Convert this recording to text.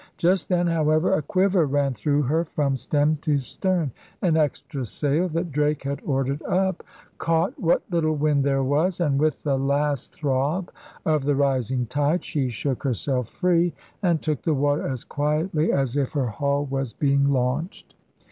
Just then, however, a quiver ran through her from stem to stem; an extra sail that Drake had ordered up caught what Httle wind there was; and, with the last throb of the rising tide, she shook herself free and took the water as quietly as if her hull was be ing launched.